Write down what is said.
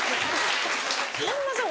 さんまさん